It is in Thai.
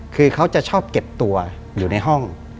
คือเขาจะชอบเก็บตัวอยู่ในห้อง